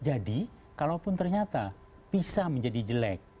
jadi kalaupun ternyata bisa menjadi jelek